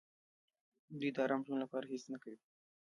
دوی د ارام ژوند لپاره هېڅ نه کوي.